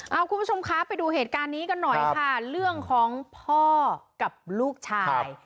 เอาคุณผู้ชมคะไปดูเหตุการณ์นี้กันหน่อยค่ะเรื่องของพ่อกับลูกชาย